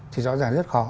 thì rõ ràng rất khó